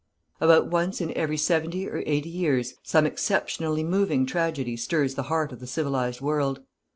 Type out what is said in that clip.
About once in every seventy or eighty years some exceptionally moving tragedy stirs the heart of the civilized world.